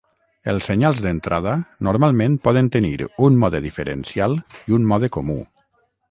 Els senyals d'entrada normalment poden tenir un mode diferencial i un mode comú.